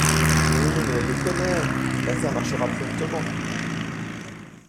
Non, mais elle le connaît… l’affaire marchera promptement…